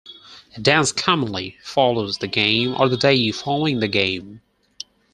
A dance commonly follows the game or the day following the game.